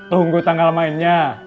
tunggu tanggal mainnya